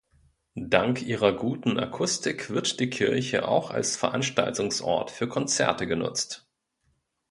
Dank ihrer guten Akustik wird die Kirche auch als Veranstaltungsort für Konzerte genutzt.